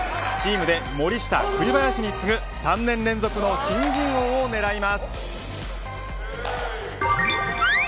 チームで森下、栗林に次ぐ３年連続の新人王を狙います。